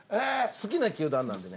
好きな球団なんでね。